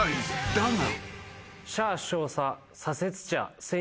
［だが］